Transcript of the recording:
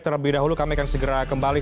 terlebih dahulu kami akan segera kembali